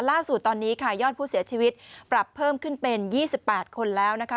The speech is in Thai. ล่าสุดตอนนี้ค่ะยอดผู้เสียชีวิตปรับเพิ่มขึ้นเป็น๒๘คนแล้วนะคะ